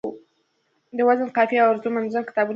د وزن، قافیې او عروضو منظم کتابونه کم دي